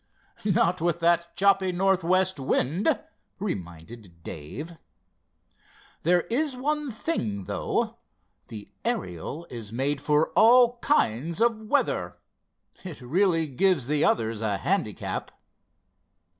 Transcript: "Not with that choppy northwest wind," reminded Dave. "There is one thing, though: the Ariel is made for all kinds of weather. It really gives the others a handicap."